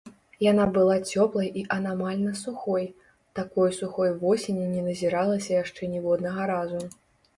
Яна была цёплай і анамальна сухой, такой сухой восені не назіралася яшчэ ніводнага разу.